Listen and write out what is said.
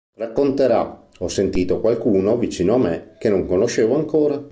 Racconterà: "ho sentito qualcuno vicino a me che non conoscevo ancora.